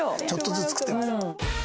ちょっとずつ作ってます。